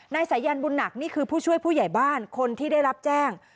สายันบุญหนักนี่คือผู้ช่วยผู้ใหญ่บ้านคนที่ได้รับแจ้ง